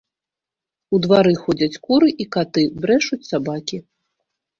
У двары ходзяць куры і каты, брэшуць сабакі.